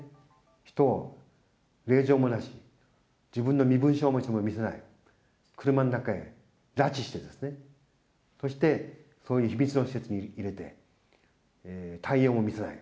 人を令状もなしに、自分の身分証明書も見せない、車の中へ拉致してですね、そしてそういう秘密の施設に入れて、太陽も見せない。